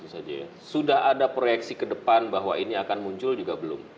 sudah ada proyeksi ke depan bahwa ini akan muncul juga belum